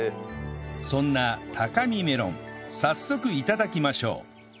そんなタカミメロン早速頂きましょう